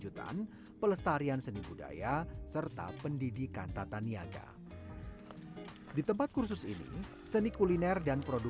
delapan tahun lalu